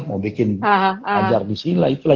mau bikin ajar bisi lah itulah